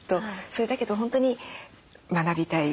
それだけど本当に学びたい。